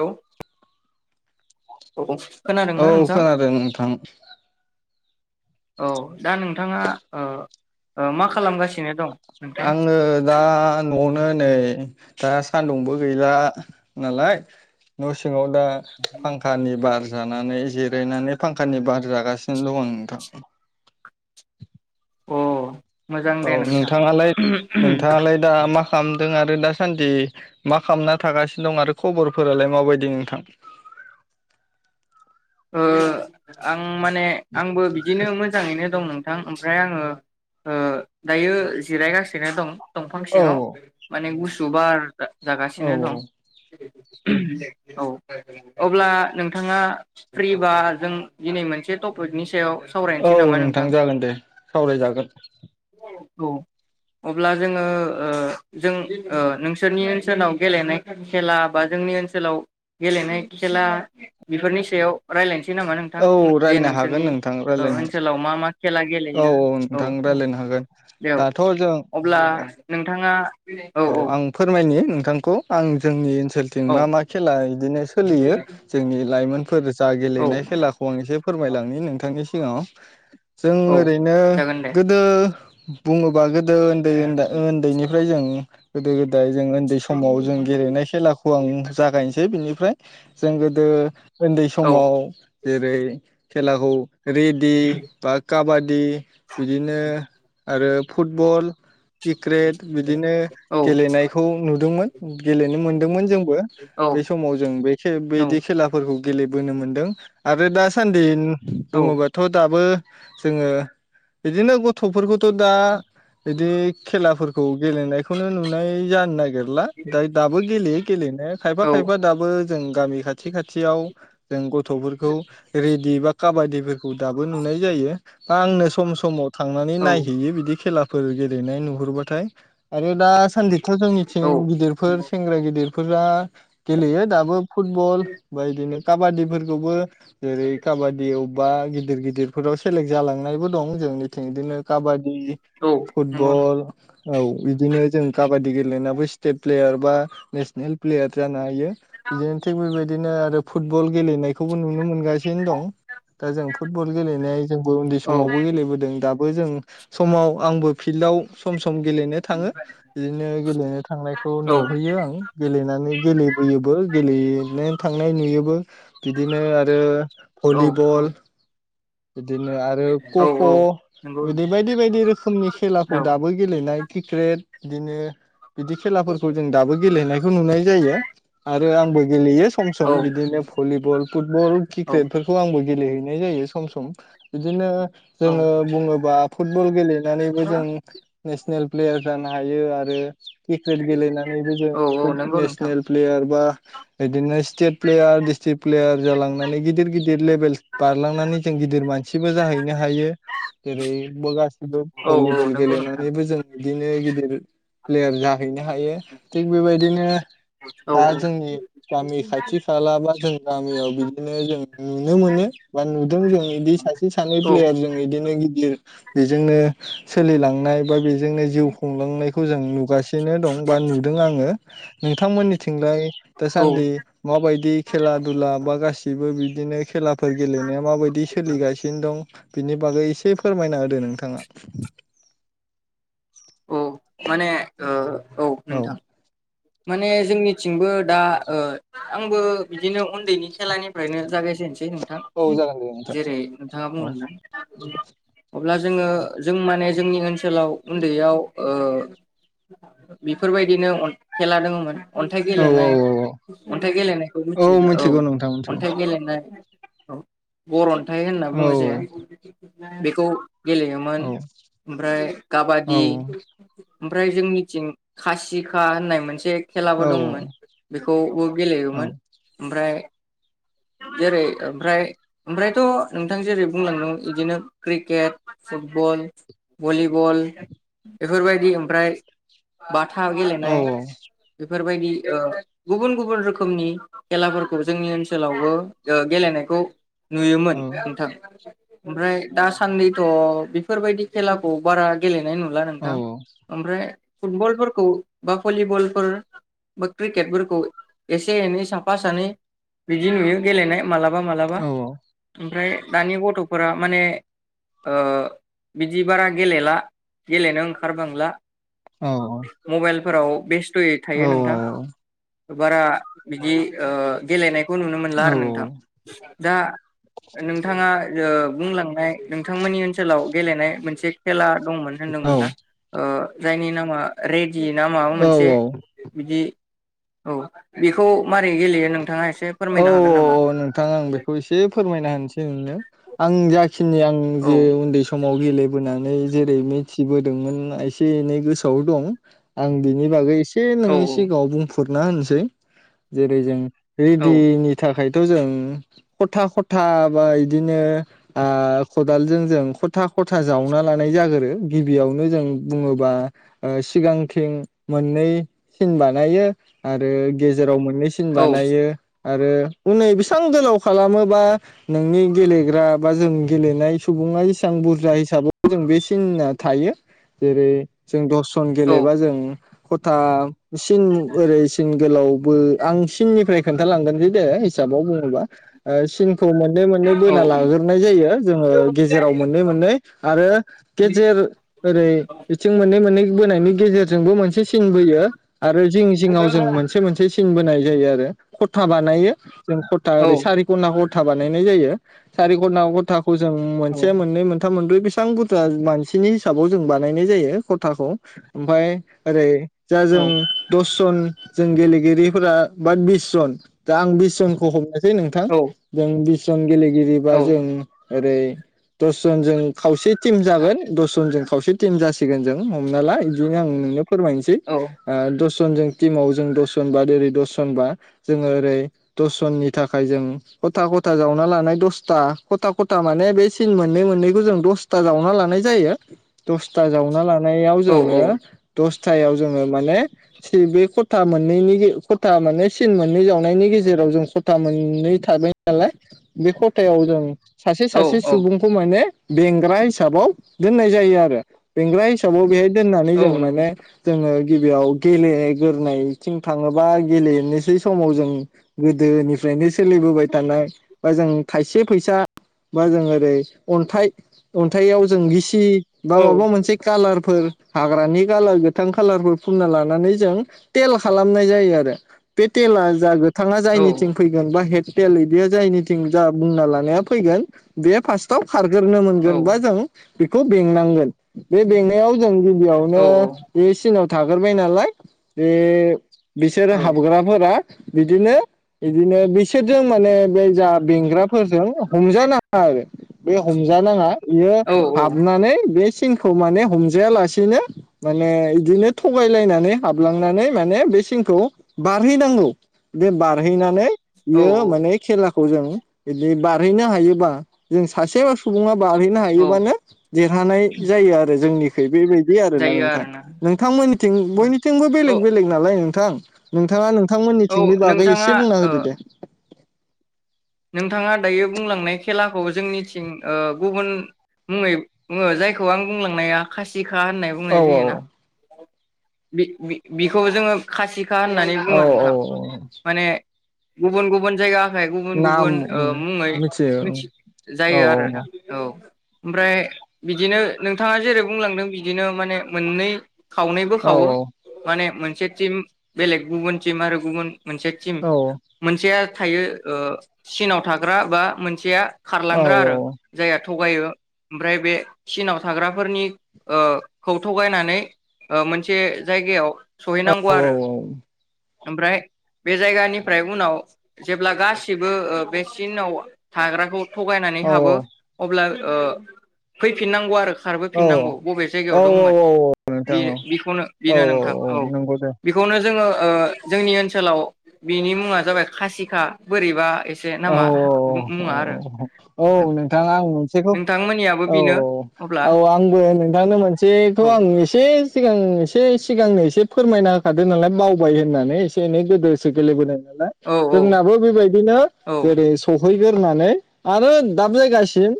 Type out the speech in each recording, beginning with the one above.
औ औ खोनादोंना औ नोंथां खोनादों नोंथां। औ दा नोंथाङा ओ मा खालामगासि आङो दा न' नै दा सान्दुंबो गैला नालाय न' सिङाव दा फांखानि बार जानानै जिरायनानै फांखानि बार जागासिनो दं आं नोंथां। अ मोजां औ दे नोंथां नोंथाङालाय नोंथाङालाय दा मा खामदों आरो दासान्दि मा खालामना थागासिनो दं आरो खबरफोरालाय माबायदि नोंथां ओ आं माने आंबो बिदिनो मोजाङैनो दं नों थां ओमफ्राय आङो ओ दायो जिरायगासिनो दं। दंफां औ सिङाव माने गु जबार। औ जागासिनो दं। औ अब्ला नोंथाङा फ्रिबा जों दिनै मोनसे टपिकनि सायाव औ सावरायनोसै नामा नोंथां जागोन दे सावरायजागोन औ अब्ला जोङो जों नोंसोरनि ओनसोलाव गेलेनाय खेला बा जोंनि ओनसोलाव गेलेनाय खेला बेफोरनि सायाव रायलायनो नामा नोंथां औ जे रायलायनो हागोन नोंसोरनि नोंथां रायलायनो हागोन ओनसोलाव मा मा खेला औ गेलेयो औ नोंथां औ रायलायनो हागोन बेयाव दाथ' जों अब्ला नोंथाङा औ आं फोरमायनि बिथांखौ आं जोंनिओ ओनसोलथिं औ मा मा खेला बिदिनो सोलियो जोंनि लाइमोन फोर जा औ गेलेनाय खेलाखौ आं एसे फोरमायलांनि नोंथांनि सिगाङाव [unintelligible] जों औ ओरैनो जागोन दे गोदो बुङोब गोदो उन्दै उन्दैनिफ्राय जों गोद गोदाय जों उन्दै समाव जों गेलेनाय खेलाखौ आं औ जागायनोसै बिनि ओमफ्राय जों गोदो उन्दै औ समाव जेरै खेलाखौ रेदि बा काबादि बिदिनो आरो फुटबल किक्रेट बिदिनो औ गेलेनायखौ नुदोंमोन गेले मोनदोंमोन जों औ [unintelligible] बै समाव जों बे [unintelligible] औ बेदि खेलाफोरखौ गेलेबोनो मोनदों आरो दासान्दि औ बुङोबाथ दाबो जोङो बिदिनो गथ गथफोरखौथ दा बिदि खेलाफोरखौ [unintelligible] खौनो नुनाय जानो नागिरला दायो दाबो गेलेयो गेलेनाया खायफा खायफा दाबो जों गामि खाथि खाथियाव जों गथफोरखौ रेडि बा काबादिबो दाबो नुनाय जायो। [unintelligible] आंनो सम समाव थांनानै नायहैयो बिदि खेला फोर गेलेनाय नुहुरबाथाय आरो दा सान्दि जोंनिथिं गिदिरफोर सेंग्रा गिदिर फोरा गेलेयो दाबो फुटबल बा बिदिनो काबादिफोरखौबो जेरै काबादि अबेबा गिदिर गिदिरफोराव सेलेक्ट जालांनायबो दं जोंनिथिं बिदिनो काबादि उम नंगौ औ नंगौ फुटबल औ बोजों काबादि गेलेनाबो स्तेत प्लेयार बा नेसनेल प्लेयार जानो हायो बिदिनो थ बेबायदिनो आरो फुटबल गेलनायखौबो नुनो नुनो मोनगासिनो दं दा जों फुटबल गेलेनाय जोंबो उन्दै औ समावबो गेलेबोदों दा जों समाव आंबो फिल्दाव सम सम गेले थाङो बिदिनो गेलेनो थांनायखौ नुहैयो आं गेलेनानै गेलेबोयोबो गेलेयैनो थांनाय नुयोबो बिदिनो आरो औ भलिबल बिदिनो आरो औ खख औ नंगौ बिदि बायदि बायदि रोखोमनि खेलाखौ औ दाबो गेलेनाय क्रिकेट बिदिनो बिदि खेलाफोरखौ जों दाबो गेलेनायखौ नुनाय जायो आरो आरो आंबो गेलेयो सम औ सम बिदिनो भलिबल फुटबल औ क्रिकेटफोरखौ आंबो गेलेहैयो बे जायैबाय सम सम सम बिदिनो औ जोङो बुङोबा फुटबल गेले नानैबो औ जों नेसनेल प्लेयार जानो हायो आरो क्रिकेट गेलेनानैबो औ जों नंगौ नोंथां नेसनेल प्लेयार बा बिदिनो स्टेट प्लेयार दिस्ट्रिक प्लेयार जालांनानै गिदिर गिदिर लेबेल बारलांनानै जों गिदिर मानसिबो जाहैनो हायो जेरैबो गासिबो औ औ भलिबल नंगौ नोंथां गेलेनानैबो जों बिदिनो गिदिर गिदिर प्लेयार जाहैनाय हायो थिग बेबायदिनो औ दा जोंनि गामि खाथि खाला बा जों गामियाव बिदिनो जों नुनो मोनो बा नुयो। जों बिदि सासे सानै औ प्लेयार जों बिदिनो गिदिर बेजोंनो सोलिलांनाय बा बेजोंनो जिउ खुंलांनायखौ जों नुगासिनो दं बा नुदों आङो। नोंथांमोननिथिंलाय। औ दासान्दि मााबायदि खेला धुला बा। गासिबो। फोर गेलेनायाव। माबायदि सोलिगासिनो दं। बिनि बागै एसे फोरमायना होदो नोंथाङा। औ माने ओ। औ नोंथां। माने जोंनिथिंबो दा ओ आंबो बिदिनो उन्दैनि खेलानिफ्रायनो जागायजेनसै। बे नोंथां औ जागोन दे नोंथां जेरै नोंथाङा औ बुंलांदों। अब्ला जोङो जों माने जोंनि ओनसोलाव उन्दैयाव ओ बेफोरबायदिनो। खेला दङमोन। अन्थाइ औ औ गेलनाय औ औ अन्थाइ गेलेनायखौ मिथियो दा औ मिथिगौ नोंथां मिथिगौ अन्थाइ गेलेनाय। औ बर'नि। दायो होनना औ बुङोजे। बेखौ। गेलेयोमोन औ ओमफ्राय काबादि। नोंथां ओमफ्राय जोंनिथिं खासिखा होननाय। मोनसे। खेलाबो दंमोन बेखौबो गेलेयोमोन ओमफ्राय। जेरै ओमफ्राय ओमफ्रायथ नोंथां जेरै बुंलांदों बिदिनो क्रिकेट फुटबल भलिबल बेफोरबायदि ओमफ्राय। थाब गेलेनाय। बेफोरबायदि गुबुन गुबुन रोखोमनि खेलाफोरखौ जोंनि ओनसोलावबो गेलेनायखौ। नुयोमोन नोंथां। ओमफ्राय दासान्दिथ बेफोरबायदि खेलाखौ बारा गेलेनाय नुला। नला नोंथां ओमफ्राय। फुटबलफोरखौ बा भलिबल। बा क्रिकेटफोरखौ एसे एनै साफा सानै बिदि नुयो गेलेनाय मालाबा। मालाबा मालाबा ओमफ्राय। दानि गथफोरा माने बिदि बारा गेलेला गेलेनो ओंखारबांला। मबाइल। फोराव बेसथ। थयै थायो नोंथां। बारा बिदि ओ गेलेनाय खौ नुनो मोनला आरो नोंथां दा नोंथाङा ओ बुंलांनाय नोंथांमोननि ओनसोलाव गेलेनाय मोनसे खेला दंमोन होनदोंमोन ना ओ जायनि नामा रेड जि ना माबा मोनसे बिदि औ बेखौ मारै गेलेयो नोंथाङा एसे औ औ फोरमायनो हागोन नामा? औ नोंथां आं बेखौ एसे फोरमायना होनसै नोंनो आं जा बेखिनि आं औ जे उन्दै सम समाव गेलेबोनानै जेरै मिथिदोंमोन एसे एनै गोसोआव दं आं बिनि बागै एसे एसे औ नोंनि सिगांवाय बुंफ्रुद फुरना होनोसै जेरै जों औ रेडिनि थाखाय थ' जों ख'था ख'था बा बिदिनो आ खदालजों जों ख'था ख'था जावना लानाय जागोरो गिबियावनो जों बुङोबा सिगांथिं मोननै सिन बानायो आरो गेजेराव मोननै मोननै सिन औ बानायो आरो हनै बेसबां गोलाव खालामोबा नोंनि गेलेग्रा बा जों गेलेनाय सुबुङा एसेबां बुरजा हिसाबै जों बे सिनना थायो जेरै। जों दस सन औ गेलेबा जों ख'था सिननि ओरै सिन गोलाव बो आं सिननिफ्राय खोन्थालांगोनसै दे, हिसाबाव बुङोबा ओ सिन खौ मोननै मोननै औ बोना लाग्रोनाय जायो जोङो औ गेजेराव मोननै मोननै आरो गेजेर ओरै बिथिं मोननै मोननै बोनायनि गेजेरजोंबो मोनसे सिन बोयो। आरो जिं जिङाव जों मोनसे मोनसे सिन बोनाय जायो आरो ख'था बानायो जों ख'था औ रै सारि ख'ना था बानायनाय जायो। सारिख'ना ख'था खौ जों मोनसे औ मोननै मोन ख'था मोनब्रै बेसेबां बुरजा मानसिनि हिसाबाव जों बानायनाय जायो ख'थाखौ ओमफ्राय ओरै जा औ जों दसजन जों गेलेगिरिफोरा बाद बिस दसजन दा आं बिस जनखौ हमनो नोंथां जों बि जन गेले गिरिबा जों ओरै दसजनजों खावसे टिम जागोन दस जनजों खावसे टिम जासि सिगोन जों हमना ला बिदिनो आं नोंनो फोरमायनोसै ओ दस जन जों टिमाव जों दसजन बा ओरै दसजन बा जोङो ओरै दस जननि थाखाय जों खथा-खथा जावना लानाय दसथा खथा-खथा माने बे सिन मोननै मोननैखौ जों दसथा जावना लानाय जायो दसथा जावना लानानै लानायाव औ जोंङो दस खथाआव जोंङो माने बे कथा मोननैनि कथा माने सिन मोननै जावनायनि गेजेराव जों खथा मोननै थाबाय नालाय बे खथायाव जों सासे औ सासे औ सुबुंखौ माने बेंग्रा हिसाबाव दोननाय जायो आरो। बेंग्रा हिसाबाव बेहाय दोननानै औ जों नंगौ माने जोङो गिबियाव गेलेगोरनायथिं थाङोबा गेलेनो बै समाव जों गोदोनिफ्रायनो सोलिबोबाय थानाय बा जों थाइसे फैसा बा जों ओरै अन्थाइ अन्थाइयाव जों गिसि बा औ माबा मोनसे कालार फोर हाग्रानि कालार गोथां खालारफोर फुनना लानानै जों तेल खालामनाय जायो आरो बेे तेला जागो बिथाङा औ जायनिथिं फैगोन बा हेड थेल इदिया जायनिथिं जा बुंना लानाया फैगोन बे फार्स्टआव खारग्रोनो औ मोनगोनबा जों बेखौ बेंनांगोन बे बेंनायाव जों गिबियावनो बे सिनाव थाग्रोबाय नालाय बे बिसोरो हाब फोरा बिदिनो बिदिनो बिसोरजों माने बे जा बेंग्राफोरजों हमजा नाङा आरो बे हमजानाङा बियो औ हाबनानै बे सिनखौ माने हमजायालासिनो माने बिदिनो थगायलायनानै हाबलांनानै माने बे सिनखौ बारहैनांगौ बे बार हैनानै औ बियो माने खेलाखौ जों बिदि बार हैनो हायोबा जों सासे सुबुङा बारहैनो औ हायोबानो देरहानाय जायो आरो जोंनिखै बेबायदि आरोना नोंथां। नोंथांमोननिथिं औ बयनिथिंबो औ बेलेग बेलेग नालाय नों थां नोंथाङा नों थांमोननि औ थिंनि बागै नोंथाङा एसे बुंना ओ होदो दे। नोंथाङा दायो बुंलांनाय खेलाखौ जोंनिथिं ओ गुबुन मुङै बुङो जायखौ आं बुंलांनाया खासि सिखा होननाय औ बुंनाय औ जायोना? बि-बि-बिखौ जोङो खासि खा होननानै औ बुङो औ औ नोंथां माने गुबन गुबुन जायगा खाय गुबुन गुबुन नाम गुबुन ओ मुङै मिथियो मिथि औ जायो आरोना औ। ओमफ्राय बिदिनो नोंथाङा जेरै बुंलांदों बिदिनो माने मोननै खावनै औ बोखावो माने मोन से टिम बेलेग गुबुन टिम आरो गुबुन मोनसे टिम औ मोनसेया थायो ओ चिनाव थाग्रा बा मोनसेया औ खारलांग्रा आरो जाया थगायो ओमफ्राय बे सिनाव थाग्राफोरनि ओ खौ थगायनानै मोनसे ओ जायगायाव सहैनांगौ औ आरो ओमफ्राय बे जायगानिफ्राय उनाव जेब्ला गासिबो ओ बे सिनाव थाग्राखौ थगायनानै हाबो अब्ला ओ फैफिननांगौ आरो खारबो औ फिनांगौ बबे औ जायगायाव दंमोन बि नोंथां बिखौनो औ बेनो नोंथां औ नंगौ दे बेखौनो जोङो ओ जोंनि ओनसोलाव बिनि मुङा जाबाय खासिखा बोरैबा एसे औ औ नामा औ औ मुङा आरो औ औ औ औ औ नोंथां औ नोंथाङा आं मोनसेखौ नोंथांमोननियाबो औ औ बेनो अब्ला औ औ आंबो नोंथांनो मोनसेखौ औ आं एसे सिगां एसे सिगांनो एसे फोरमायना होखादों नालाय मावबाय होननानै एसे एनै गोदोसो गेलेबोदों औ औ जोंनाबो बेबायदिनो औ जेरै स हैग्रोनानै आरो दाब जायगासिम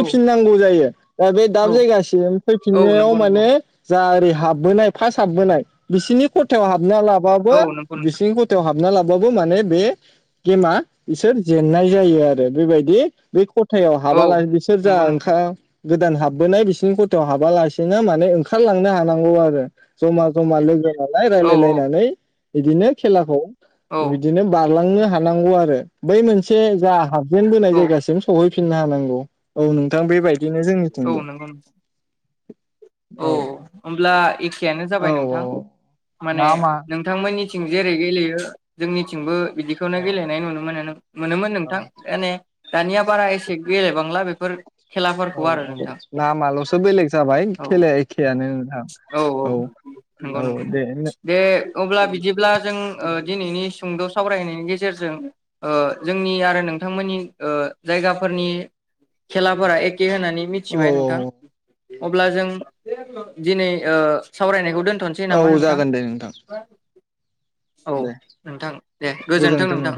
औ जायो दा बे दाब औ जायगासिम औ फैफिननायाव नंगौ नंगौ माने जा एरै हाबबोनाय फार्स्ट हाबबोनाय बिसोरनि खथायाव हाब हाबना लाबाबो औ नंगौ नोंथां बिसिरनि गथायाव हाबना लाबो बाबु माने बे गेमा सो जेननाय जायो आरो बेबायदि बे खुथायाव औ हाबाला बिसोर जा नंगौ नोंथां ओंखा गोदान हाबबोनाय बिसिरनि खथायाव हाबालासेनो माने ओंखारलांनो हानांगौ आरो जमा जमा लोगो राय्लाय औ औ लायनानै बिदिनो खेलाखौ औ बिदिनो बा खारलांनो हानांगौ आरो बै मोनसे जा हाबजेन बोनाय औ जायगासिम सहै फिननो हानांगौ औ नोंथां बेबायदि औ नंगौ औ होमब्ला एखेयानो जाबाय औ नोंथां औ माने नामा नोंथांमोननि थिं जेरै गेलेयो जोंनिथिंबो बिदिखौनो औ गेलेनाय नुनो मोनो मोनोमोन औ नोंथां दाने दानिया बारा एसे गेलेबांला बेफोर खेलाफोरखौ औ आरो औ नोंथां नामालसो बेलेग जाबाय औ खेलाया एखेया औ औ नंगौ औ नंगौ दे दे अब्ला बिदिब्ला जों ओ दिनैनि सुंद सावरायनायनि गेजेरजों ओ जोंनि आरो नोंथांमोननि ओ जायगाफोरनि खेलाफोरा एखे कखे होननानै औ मिथिबाय नोंथां अब्ला जों दिनै ओ सावरायनायखौ दोन औ जागोन दे नोंथां औ दे नोंथां दे गोजोनथों नोंथां